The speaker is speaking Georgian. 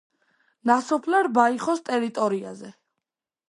ნასოფლარ ბაიხოს ტერიტორიაზე.